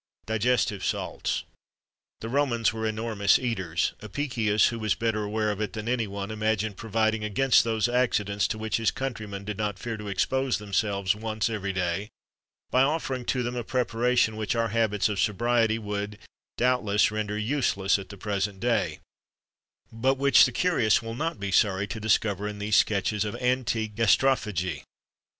[XXIII 17] DIGESTIVE SALTS. The Romans were enormous eaters. Apicius, who was better aware of it than any one, imagined providing against those accidents to which his countrymen did not fear to expose themselves once every day, by offering to them a preparation which our habits of sobriety would, doubtless, render useless at the present day; but which the curious will not be sorry to discover in these sketches of antique gastrophagy.